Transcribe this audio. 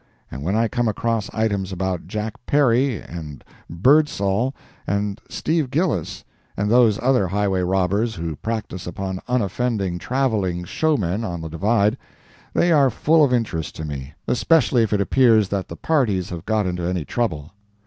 And when I come across items about Jack Perry, and Birdsall, and Steve Gillis, and those other highway robbers who practice upon unoffending traveling showmen on the Divide, they are full of interest to me, especially if it appears that the parties have got into any trouble.